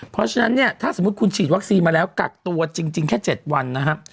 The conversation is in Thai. เพราะฉะนั้นเนี่ยถ้าสมมุติคุณฉีดวัคซีนมาแล้วกักตัวจริงแค่๗วันนะครับ